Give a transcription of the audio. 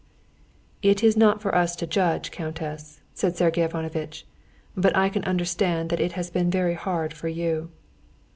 "It's not for us to judge, countess," said Sergey Ivanovitch; "but I can understand that it has been very hard for you."